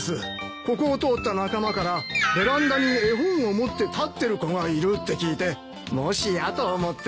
ここを通った仲間からベランダに絵本を持って立ってる子がいるって聞いてもしやと思って。